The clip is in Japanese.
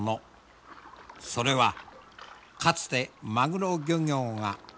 それはかつてマグロ漁業が歩んだ道であった。